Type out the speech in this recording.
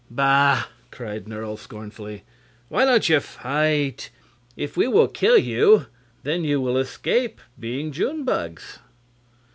"Bah!" cried Nerle, scornfully; "why don't you fight? If we kill you, then you will escape being June bugs."